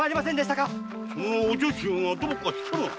そのお女中がどうかしたのか？